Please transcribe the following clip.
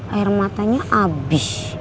air matanya abis